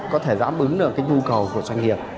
có thể đáp ứng được cái nhu cầu của doanh nghiệp